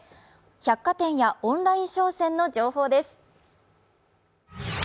百貨店やオンライン商戦の情報です。